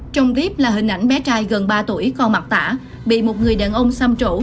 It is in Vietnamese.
trong clip là hình ảnh bé trai gần ba tuổi con mặt tả bị một người đàn ông xăm trổ